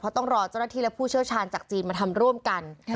เพราะต้องรอเจ้าหน้าที่และผู้เชี่ยวชาญจากจีนมาทำร่วมกัน